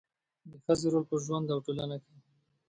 د ښځې رول په ژوند او ټولنه کې